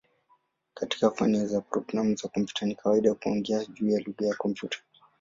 Katika fani ya programu za kompyuta ni kawaida kuongea juu ya "lugha ya kompyuta".